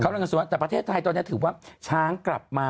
กำลังจะสวยแต่ประเทศไทยตอนนี้ถือว่าช้างกลับมา